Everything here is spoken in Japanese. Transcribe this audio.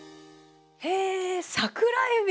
へえ桜えび！